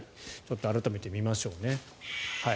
改めて、見ましょうね。